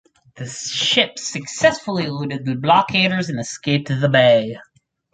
The ships successfully eluded the blockaders and escaped the bay.